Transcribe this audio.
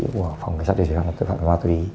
của phòng giám đốc